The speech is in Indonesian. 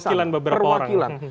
perwakilan beberapa orang